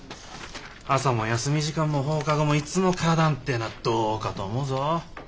朝も休み時間も放課後もいつも花壇っていうのはどうかと思うぞ。